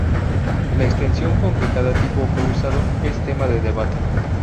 La extensión con que cada tipo fue usado es tema de debate.